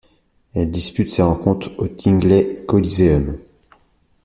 Elle dispute ses rencontres au Tingley Coliseum.